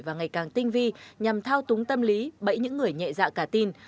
và ngày càng tinh vi nhằm thao túng tâm lý bẫy những người nhẹ dạ cả tin